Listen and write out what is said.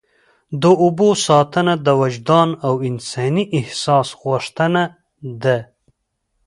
د اوبو ساتنه د وجدان او انساني احساس غوښتنه ده.